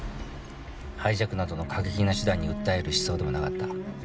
ハイジャックなどの過激な手段に訴える思想でもなかった。